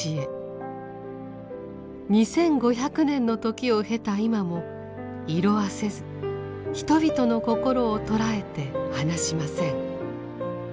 ２，５００年の時を経た今も色あせず人々の心を捉えて離しません。